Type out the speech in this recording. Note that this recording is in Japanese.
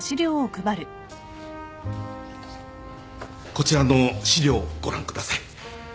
こちらの資料をご覧ください。